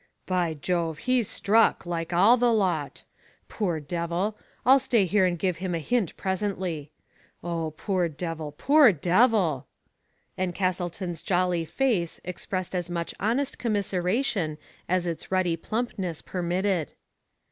" By Jove, he's" struck, like all the lot. Poor devil ! Til stay here and give him a hint presently. Oh, poor devil, poor devil !And Castleton *s jolly face expressed as much honest commiseration as its ruddy plump ness permitted.